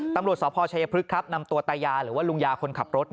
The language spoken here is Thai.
ตำรวจสพชัยพฤกษ์นำตัวตายาหรือว่าลุงยาคนขับรถ